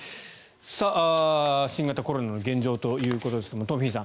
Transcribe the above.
新型コロナの現状ということですが、東輝さん